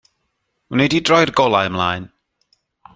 Wnei di droi'r golau ymlaen.